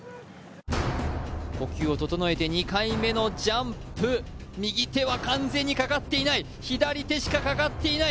呼吸を整えて２回目のジャンプ、右手は完全にかかっていない左手しかかかっていない。